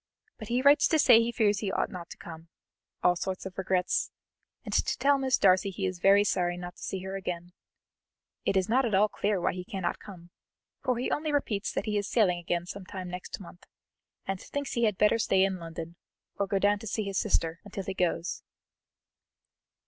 But he writes to say he fears he ought not to come all sorts of regrets, and to tell Miss Darcy he is very sorry not to see her again. It is not at all clear why he cannot come, for he only repeats that he is sailing again some time next month, and thinks he had better stay in London, or go down to see his sister, until he goes."